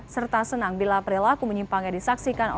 serta senang bila perilaku menyimpangnya disaksikan